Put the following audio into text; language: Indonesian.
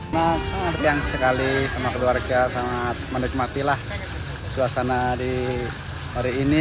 sangat sangat yang sekali sama keluarga sangat menikmatilah suasana hari ini